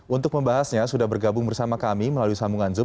untuk membahasnya sudah bergabung bersama kami melalui sambungan zoom